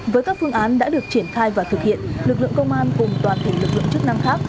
với các phương án đã được triển khai và thực hiện lực lượng công an cùng toàn thể lực lượng chức năng khác